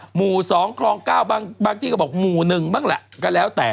หมู๒ของ๙บางที่เขาบอกหมูหนึ่งบ้างแหละ